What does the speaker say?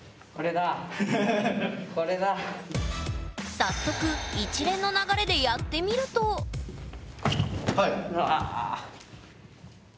早速一連の流れでやってみるとああ。